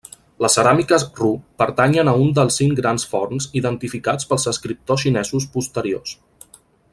Les ceràmiques Ru pertanyen a un dels cinc grans forns identificats pels escriptors xinesos posteriors.